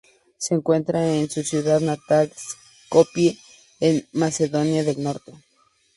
Se encuentra en su ciudad natal, Skopie, en Macedonia del Norte.